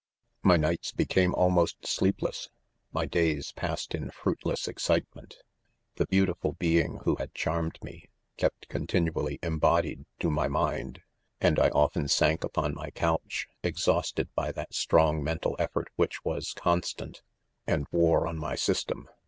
c My nights became almost sleepless— my days passed in fruitless excitement. The beautiful being who had charmed me, kept con tinually embodied to my mind 5— and I often sank upon my couch, exhausted by that strong mental. effort which was constant, and wore on my system